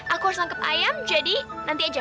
aku harus tangkap ayam jadi nanti aja